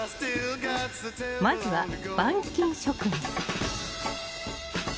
まずは板金職人